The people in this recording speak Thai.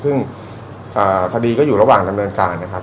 ซึ่งคดีก็อยู่ระหว่างดำเนินการนะครับ